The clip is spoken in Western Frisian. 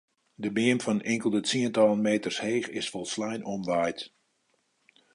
De beam fan inkelde tsientallen meters heech is folslein omwaaid.